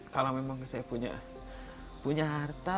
kalau memang saya punya harta